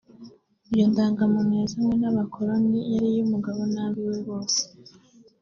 Iyo ndangamuntu yazanywe n’abakoroni yari iy’umugabo n’ab’iwe bose